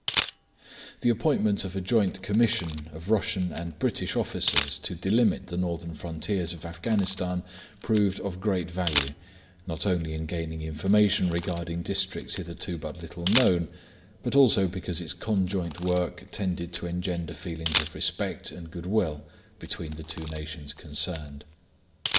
The appointment of a Joint Commission of Russian and British officers to delimit the northern frontiers of Afghanistan proved of great value, not only in gaining information regarding districts hitherto but little known, but also because its conjoint work tended to engender feelings of respect and goodwill between the two nations concerned.